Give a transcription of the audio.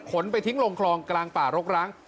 ไปทิ้งลงคลองกลางป่ารกร้าง